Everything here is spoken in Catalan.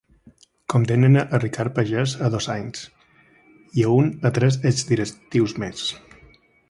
Condemnen a Ricard Pagès a dos anys, i a un a tres exdirectius més.